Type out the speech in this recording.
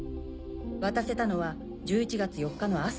渡せたのは１１月４日の朝。